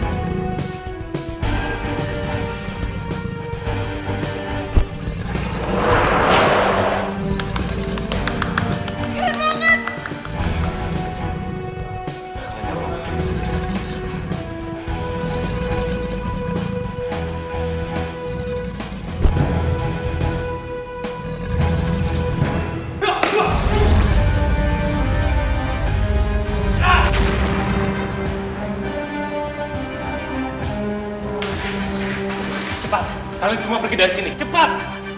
cepat kalian semua pergi dari sini cepat